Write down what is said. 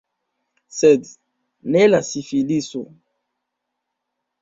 Sed ne la sifiliso.